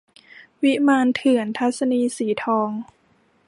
วิมานเถื่อน - ทัศนีย์ สีทอง